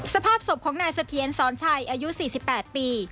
สภาพศพของนายเสถียรสอนชัยอายุ๔๘ปี